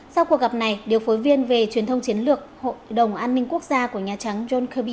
sau cuộc gặp này điều phối viên về truyền thông chiến lược hội đồng an ninh quốc gia của nhà trắng john kirby